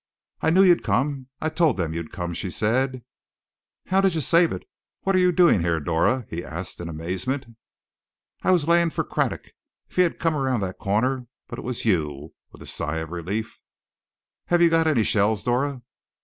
"I knew you'd come, I told them you'd come!" she said. "How did you save it what are you doing here, Dora?" he asked in amazement. "I was layin' for Craddock! If he'd 'a' come around that corner but it was you!" with a sigh of relief. "Have you got any shells, Dora?"